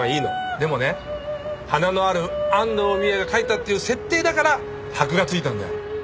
でもね華のある安藤美絵が描いたっていう設定だから箔がついたんだよ。